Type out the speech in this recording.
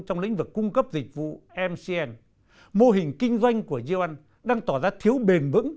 trong lĩnh vực cung cấp dịch vụ mcn mô hình kinh doanh của yeo an đang tỏ ra thiếu bền vững